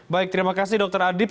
baik terima kasih dr adib